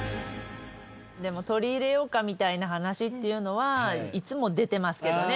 でも取り入れようかみたいな話っていうのはいつも出てますけどね。